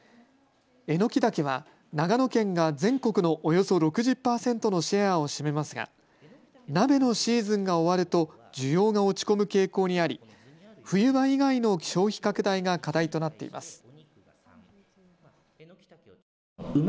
エノキダケは長野県が全国のおよそ６０％のシェアを占めますが鍋のシーズンが終わると需要が落ち込む傾向にあり冬場以外の消費拡大が課題となっています。